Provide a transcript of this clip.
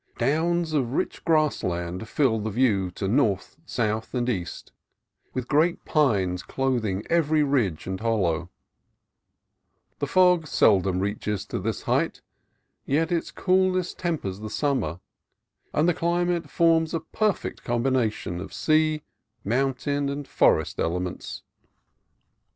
Downs of rich IN THE HEART OF THE COAST RANGE GAMBOA'S RANCH 199 grass land fill the view to north, south, and east, with great pines clothing every ridge and hollow. The fog seldom reaches to this height; yet its cool ness tempers the summer, and the climate forms a perfect combination of the sea, mountain, and forest elements.